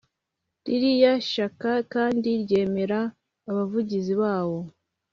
Ririya shaka kandi ryemera Abavugizi bawo